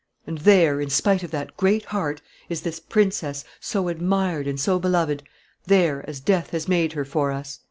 And there, in spite of that great heart, is this princess, so admired and so beloved; there, as death has made her for us!"